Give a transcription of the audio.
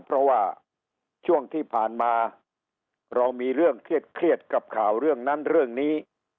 เพราะว่าช่วงที่ผ่านมาเรามีเรื่องเครียดกับข่าวเรื่องนั้นเรื่องนี้